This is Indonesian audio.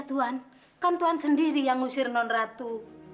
iya tuan kan tuan sendiri yang ngusir nonratu